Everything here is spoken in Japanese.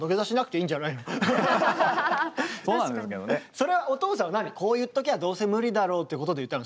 それはお父さんは何こう言っときゃどうせ無理だろうってことで言ったの？